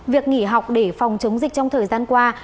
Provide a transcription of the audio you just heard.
việc nghỉ học để phòng chống dịch trong thời gian qua